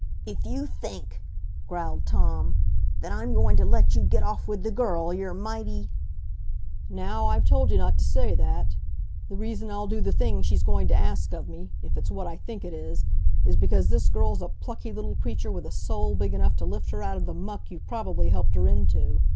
"If you think," growled Tom, "that I'm going to let you get off with the girl, you're mighty " "Now, I've told you not to say that. The reason I'll do the thing she's going to ask of me if it's what I think it is is because this girl's a plucky little creature with a soul big enough to lift her out of the muck you probably helped her into.